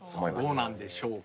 どうなんでしょうか？